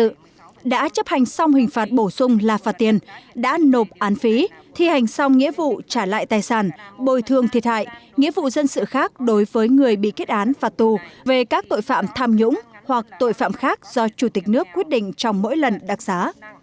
người đã chấp hành xong hình phạt bổ sung là phạt tiền đã nộp án phí thi hành xong nghĩa vụ trả lại tài sản bồi thương thiệt hại nghĩa vụ dân sự khác đối với người bị kết án phạt tù về các tội phạm tham nhũng hoặc tội phạm khác do chủ tịch nước quyết định trong mỗi lần đặc giá